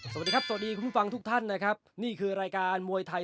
สวัสดีครับสวัสดีคุณผู้ฟังทุกท่านนะครับนี่คือรายการมวยไทย